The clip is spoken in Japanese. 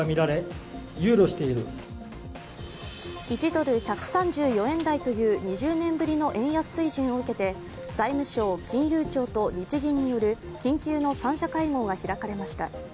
１ドル＝１３４円台という２０年ぶりの円安水準を受けて財務省・金融庁と日銀による緊急の３者会合が開かれました。